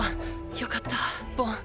よかったボン。